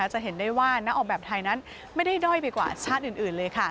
จะเห็นได้ว่านักออกแบบไทยนั้นไม่ได้ด้อยไปกว่าชาติอื่นเลยค่ะ